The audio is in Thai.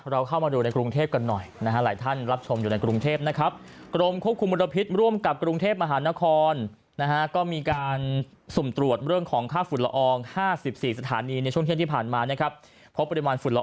เราเข้ามาดูในกรุงเทพกันหน่อยหลายท่านรับชมอยู่ในกรุงเทพนะครับ